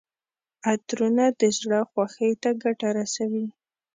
عطرونه د زړه خوښۍ ته ګټه رسوي.